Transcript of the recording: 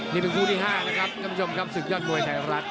นี่เป็นผู้ที่ห้านะครับคำชมครับศึกยอดมวยไทยรัฐ